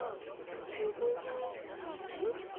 つぼみナツ？